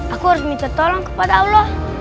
aku harus minta tolong kepada allah